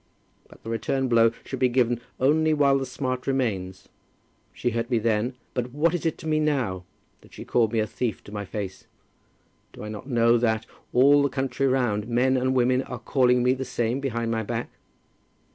But the return blow should be given only while the smart remains. She hurt me then; but what is it to me now, that she called me a thief to my face? Do I not know that, all the country round, men and women are calling me the same behind my back?"